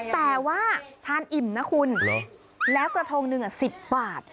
แต่ว่าทานอิ่มนะคุณแล้วกระทงหนึ่ง๑๐บาท